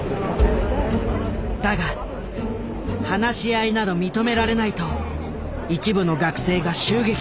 だが「話し合いなど認められない」と一部の学生が襲撃。